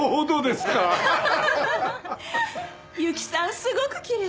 すごくきれい！